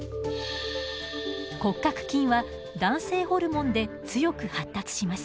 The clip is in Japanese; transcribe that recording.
骨格筋は男性ホルモンで強く発達します。